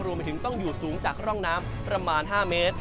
รวมไปถึงต้องอยู่สูงจากร่องน้ำประมาณ๕เมตร